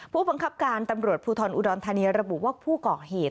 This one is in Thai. ผู้บังคับการตำรวจภูทรอุดรธานีระบุว่าผู้ก่อเหตุ